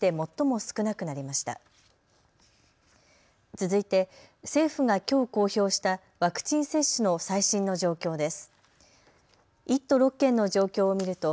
続いて政府がきょう公表したワクチン接種の最新の状況です。